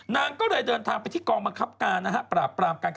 นางก็เลยเดินทางไปบิดกองประอบปรามกัน